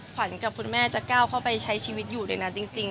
ขวัญกับคุณแม่จะก้าวเข้าไปใช้ชีวิตอยู่เลยนะจริง